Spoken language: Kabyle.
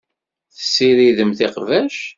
Tessiridemt iqbac.